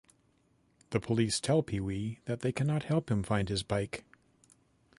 The police tell Pee-wee that they cannot help him find his bike.